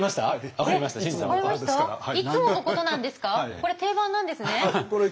これ定番なんですね。